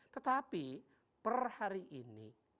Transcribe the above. tetapi per hari ini